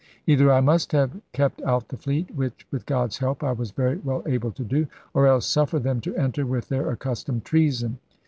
... Either I must have kept out the fleet, which, with God's help, I was very well able to do, or else suffer them to enter with their accustomed treason.